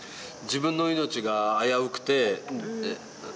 自分の命が危うくてえ？